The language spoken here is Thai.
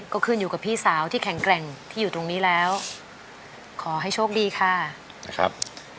ก็ขึ้นอยู่กับพี่สาวที่แข็งแกร่งที่อยู่ตรงนี้แล้วขอให้โชคดีค่ะนะครับ